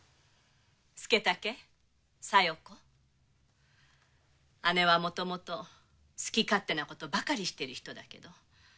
佐武小夜子姉はもともと好き勝手なことばかりしている人だけど。